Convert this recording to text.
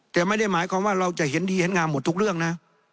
แต่ไม่ได้หมายความว่าเราจะเห็นดีเห็นงามหมดทุกเรื่องนะ